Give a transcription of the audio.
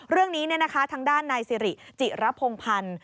เรื่องนี้ทางด้านนายสิริจิระพงพันธ์